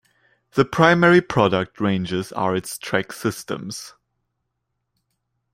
The primary product ranges are its track systems.